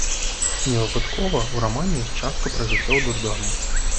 Невыпадкова ў рамане ёсць частка пра жыццё ў дурдоме.